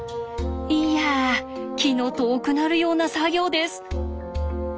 いや気の遠くなるような作業です。